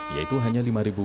yaitu hanya rp lima